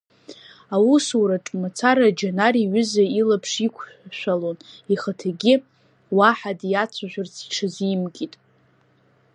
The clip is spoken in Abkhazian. Аусураҿ мацара Џьанар иҩыза илаԥш иқәшәалон, ихаҭагьы уаҳа диацәажәарц иҽазимкит.